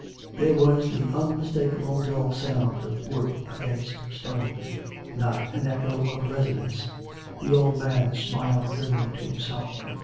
There was the unmistakable dull sound of wood against stone — not an echo of resonance. The old man smiled grimly to himself.